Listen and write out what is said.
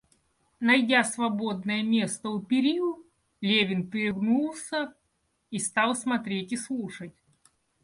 Найдя свободное место у перил, Левин перегнулся и стал смотреть и слушать.